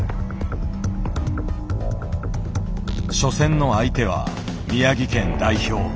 初戦の相手は宮城県代表。